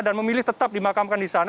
dan memilih tetap dimakamkan di sana